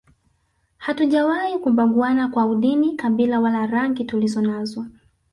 Hatujawahi kubaguana kwa udini kabila wala rangi tulizonazo